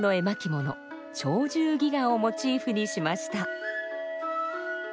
「鳥獣戯画」をモチーフにしました。